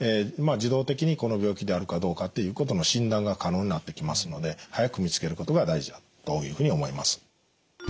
自動的にこの病気であるかどうかっていうことの診断が可能になってきますので早く見つけることが大事だというふうに思います。